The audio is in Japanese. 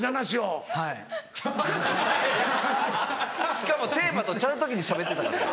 しかもテーマとちゃう時にしゃべってた。